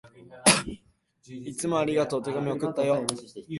いつもありがとう。手紙、送ったよ。